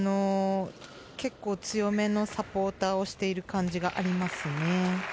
結構、強めのサポーターをしている感じがあります。